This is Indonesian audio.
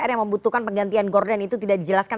dpr yang membutuhkan penggantian gordon itu tidak dijelaskan